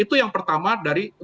itu yang pertama dari